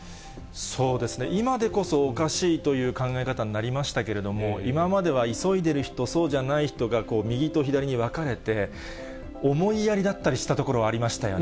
そうですね、今でこそおかしいという考え方になりましたけれども、今までは、急いでいる人、そうじゃない人が右と左に別れて、思いやりだったりしたところはありましたよね。